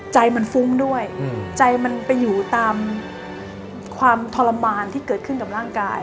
ใจมันฟุ้งด้วยใจมันไปอยู่ตามความทรมานที่เกิดขึ้นกับร่างกาย